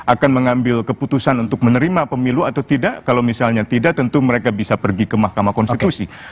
akan mengambil keputusan untuk menerima pemilu atau tidak kalau misalnya tidak tentu mereka bisa pergi ke mahkamah konstitusi